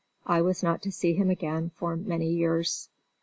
I was not to see him again for many years.